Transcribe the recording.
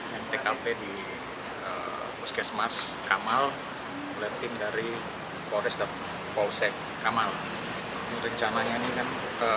yang tkp di puskesmas kamal oleh tim dari polres dan polsek kamal rencananya ini kan